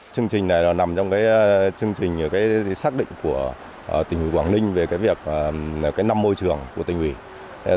chương trình này nằm trong chương trình xác định của tỉnh quảng ninh về việc nằm môi trường của tỉnh quảng ninh